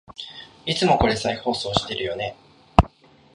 いつもこれ再放送してるよね